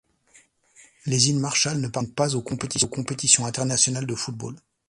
Les îles Marshall ne participent donc pas aux compétitions internationales de football.